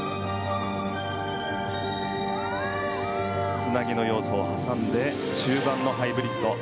つなぎの要素を挟んで中盤のハイブリッド。